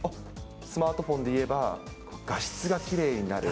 スマートフォンで言えば、画質がきれいになる。